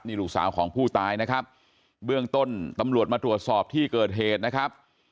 นี่ลูกสาวของผู้ตายนะครับเบื้องต้นตำรวจมาตรวจสอบที่เกิดเหตุนะครับ